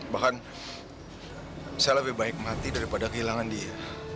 bahkan saya lebih baik mati daripada kehilangan dia